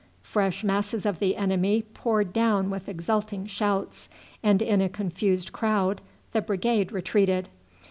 Fresh masses of the enemy poured down with exulting shouts, and in a confused crowd the brigade retreated.